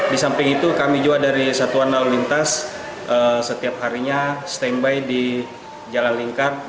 di samping itu kami juga dari satuan lalu lintas setiap harinya standby di jalan lingkar